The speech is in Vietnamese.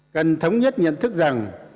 cần thống nhất nhận thức rằng